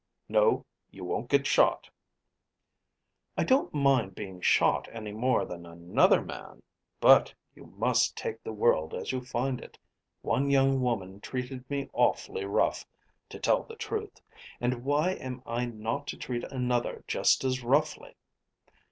"No; you won't get shot." "I don't mind being shot any more than another man; but you must take the world as you find it. One young woman treated me awfully rough, to tell the truth. And why am I not to treat another just as roughly?